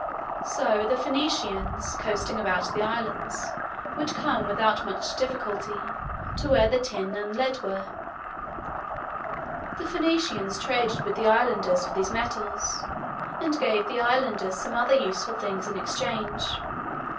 So, the Phœnicians, coasting about the Islands, would come, without much difficulty, to where the tin and lead were. The Phœnicians traded with the Islanders for these metals, and gave the Islanders some other useful things in exchange.